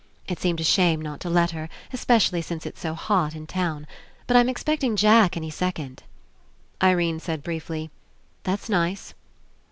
It seemed a shame not to let her, es pecially since It's so hot In town. But I'm ex pecting Jack any second." Irene said briefly: "That's nice."